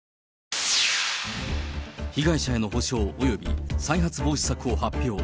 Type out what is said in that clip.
被害者への補償、および再発防止策を発表。